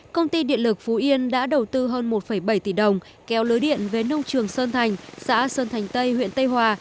công ty điện lực phú yên đã đầu tư hơn một bảy tỷ đồng kéo lưới điện về nông trường sơn thành xã sơn thành tây huyện tây hòa